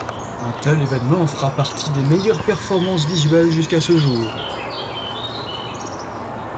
Un tel évènement fera partie des meilleures performances visuelles jusqu’à ce jour.